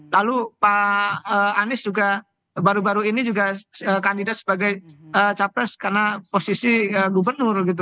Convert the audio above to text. lalu pak anies juga baru baru ini juga kandidat sebagai capres karena posisi gubernur gitu